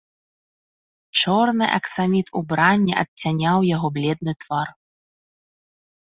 Чорны аксаміт убрання адцяняў яго бледны твар.